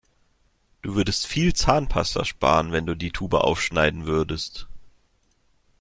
Du würdest viel Zahnpasta sparen, wenn du die Tube aufschneiden würdest.